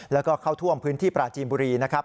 แล้วก็เข้าท่วมพื้นที่ปราจีนบุรีนะครับ